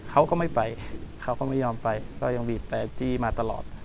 กลับมาที่สุดท้ายและกลับมาที่สุดท้าย